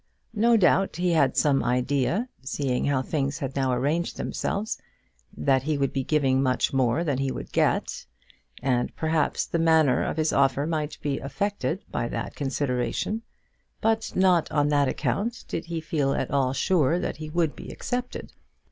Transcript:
No doubt he had some idea, seeing how things had now arranged themselves, that he would be giving much more than he would get; and perhaps the manner of his offer might be affected by that consideration; but not on that account did he feel at all sure that he would be accepted.